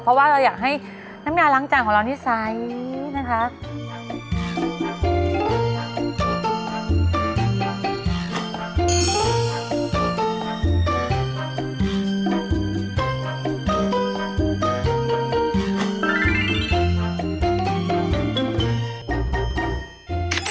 อยากให้น้ำยาล้างจ่างของเรานิสัยนะครับ